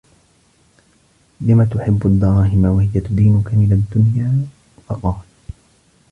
لِمَ تُحِبُّ الدَّرَاهِمَ وَهِيَ تُدِينُك مِنْ الدُّنْيَا ؟ فَقَالَ